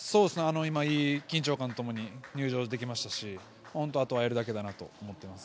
いい緊張感とともに入場できましたし、あとはやるだけだと思っています。